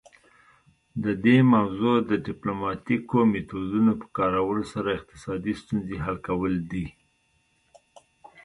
د دې موضوع د ډیپلوماتیکو میتودونو په کارولو سره اقتصادي ستونزې حل کول دي